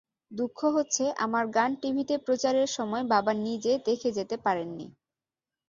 দুঃখ হচ্ছে, আমার গান টিভিতে প্রচারের সময় বাবা নিজে দেখে যেতে পারেননি।